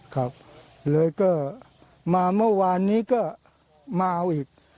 ครับเลยก็มาเมื่อวานนี้ก็มาเอาอีก